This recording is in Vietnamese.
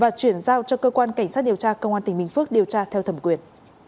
và chuyển giao cho cơ quan cảnh sát điều tra công an tỉnh bình phước điều tra theo thẩm quyền